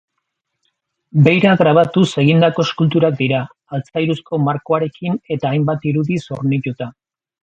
Beira grabatuz egindako eskulturak dira, altzairuzko markoarekin eta hainbat irudiz hornituta.